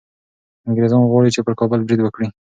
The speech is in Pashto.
انګریزان غواړي چي پر کابل برید وکړي.